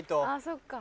そっか。